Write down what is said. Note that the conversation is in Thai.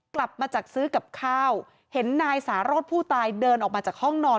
กลับมาจากซื้อกับข้าวเห็นนายสารสผู้ตายเดินออกมาจากห้องนอน